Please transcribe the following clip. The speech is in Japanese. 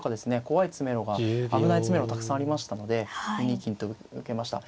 怖い詰めろが危ない詰めろたくさんありましたので２二金と受けました。